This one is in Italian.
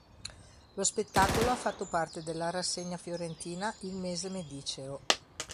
Lo spettacolo ha fatto parte della rassegna fiorentina "Il Mese Mediceo".